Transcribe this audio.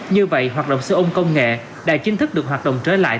như vậy hoạt động xe ôm công nghệ đã chính thức được hoạt động trở lại